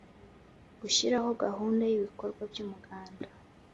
Gushyiraho gahunda y ibikorwa by’umuganda